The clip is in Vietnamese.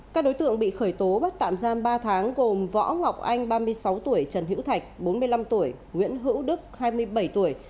các đối tượng bị khởi tố bắt tạm giam ba tháng gồm võ ngọc anh ba mươi sáu tuổi trần hữu thạch bốn mươi năm tuổi nguyễn hữu đức hai mươi bảy tuổi